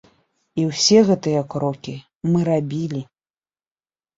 І ўсе гэтыя крокі мы рабілі.